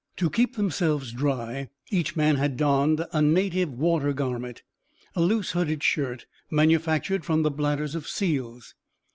To keep themselves dry each man had donned a native water garment a loose, hooded shirt manufactured from the bladders of seals.